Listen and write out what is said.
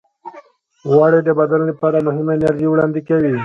غوړې د بدن لپاره مهمه انرژي وړاندې کوي.